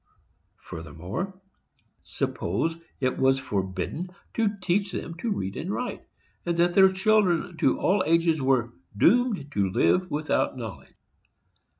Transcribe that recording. Furthermore, suppose it was forbidden to teach them to read and write, and that their children to all ages were "doomed to live without knowledge."